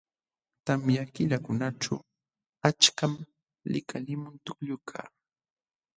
Tamya killakunaćhu achkam likalimun tukllukaq..